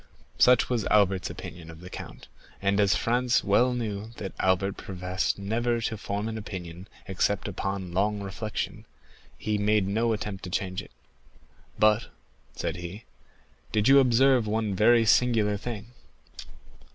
Such was Albert's opinion of the count, and as Franz well knew that Albert professed never to form an opinion except upon long reflection, he made no attempt to change it. "But," said he, "did you observe one very singular thing?"